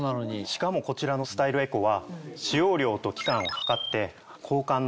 しかもこちらのスタイルエコは。